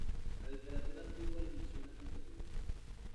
La literatura antigua le menciona con frecuencia.